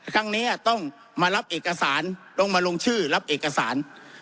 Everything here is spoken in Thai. ครั้งนี้ต้องมารับเอกสารต้องมาลงชื่อรับเอกสาร